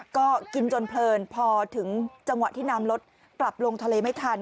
ก็กินจนเพลินพอถึงจังหวะที่น้ำลดกลับลงทะเลไม่ทัน